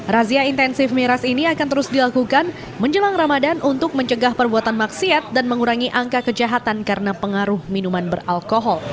razia intensif miras ini akan terus dilakukan menjelang ramadan untuk mencegah perbuatan maksiat dan mengurangi angka kejahatan karena pengaruh minuman beralkohol